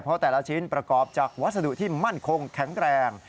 เพราะแต่ละชิ้นประกอบจากวัสดุที่มั่นคงแข็งแรง